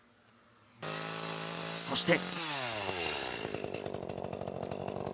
そして。